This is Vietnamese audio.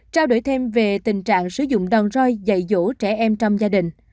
trao đổi thêm về tình trạng sử dụng đòn roi dạy dỗ trẻ em trong gia đình